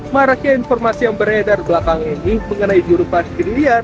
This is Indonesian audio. marah kira informasi yang beredar belakang ini mengenai jurupan jeniliar